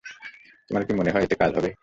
তোমার কি মনে হয় এতে কাজ হবে?